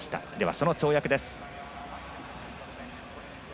その跳躍です。